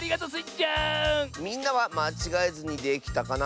みんなはまちがえずにできたかな？